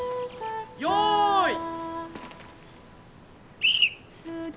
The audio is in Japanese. よい。